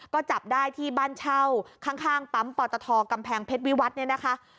ก็จับได้ที่บ้านเช่าข้างปั๊มปอตทกำแพงเพชรวิวัตรเนี่ยนะคะ